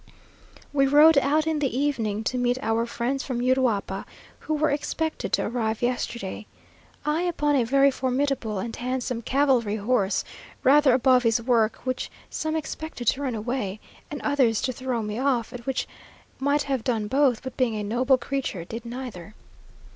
We rode out in the evening to meet our friends from Uruapa, who were expected to arrive yesterday; I upon a very formidable and handsome cavalry horse, rather above his work, which some expected to run away, and others to throw me off, and which might have done both, but being a noble creature did neither.